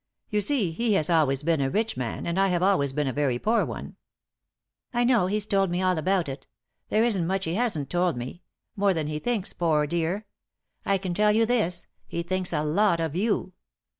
You see, he has always been a rich man, and I have always been a very poor one." " I know, he's told me about it ; there isn't much he hasn't told me — more than he thinks, poor dear I I can tell you this — he thinks a lot of you."